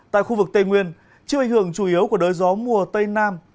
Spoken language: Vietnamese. tại khu vực tây nguyên chiếc bình hưởng chủ yếu của đới gió mùa tây nam